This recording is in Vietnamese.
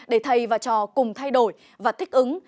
để thầy và trò cùng thay đổi và thích ứng